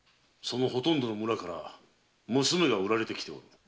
そのほとんどの村から娘が売られてきている。